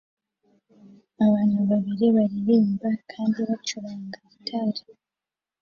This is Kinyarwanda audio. Abantu babiri baririmba kandi bacuranga gitari